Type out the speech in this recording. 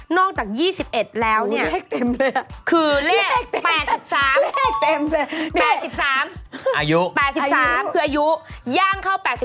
นอกจาก๒๑แล้วเนี่ยคือเลข๘๓อายุ๘๓คืออายุย่างเข้า๘๔